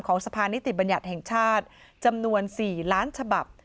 สะพานนิติบัญญัติแห่งชาติจำนวน๔ล้านฉบับ